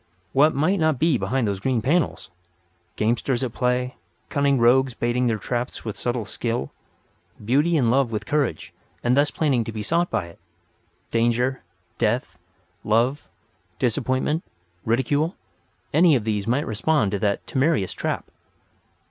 What might not be behind those green panels! Gamesters at play; cunning rogues baiting their traps with subtle skill; beauty in love with courage, and thus planning to be sought by it; danger, death, love, disappointment, ridicule—any of these might respond to that temerarious rap.